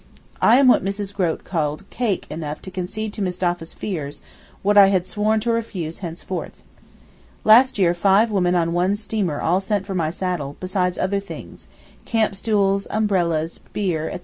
I am what Mrs. Grote called 'cake' enough to concede to Mustapha's fears what I had sworn to refuse henceforth. Last year five women on one steamer all sent for my saddle, besides other things—campstools, umbrellas, beer, etc.